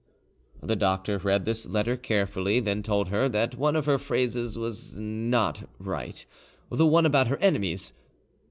The doctor read this letter carefully; then he told her that one of her phrases was not right—the one about her enemies.